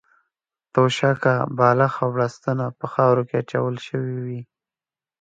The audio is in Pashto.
توشکه، بالښت او بړستنه په خاورو کې اچول شوې وې.